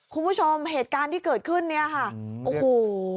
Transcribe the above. คุณผู้ชมเหตุการณ์ที่เกิดขึ้นเนี่ยค่ะโอ้โห